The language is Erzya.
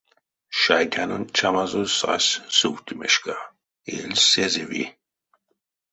Шайтянонть чамазо сась сувтемешка, эль сезеви.